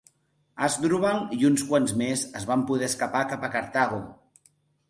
Àsdrubal i uns quants més es van poder escapar cap a Cartago.